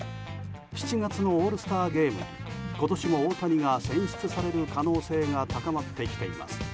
７月のオールスターゲームに今年も大谷が選出される可能性が高まってきています。